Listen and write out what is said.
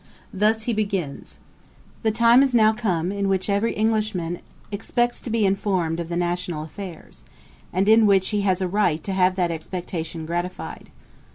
Thus he begins: 'The time is now come, in which every Englishman expects to be informed of the national affairs; and in which he has a right to have that expectation gratified.